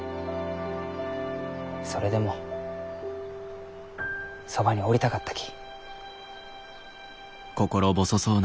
それでもそばにおりたかったき。